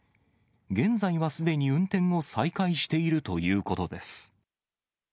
現在はすでに運転を再開しているということです。